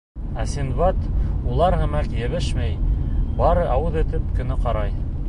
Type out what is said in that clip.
Ә Синдбад улар һымаҡ йәбешмәй, бары ауыҙ итеп кенә ҡарай.